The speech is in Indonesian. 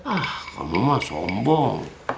ah kamu mah sombong